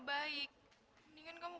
mereka jangan mau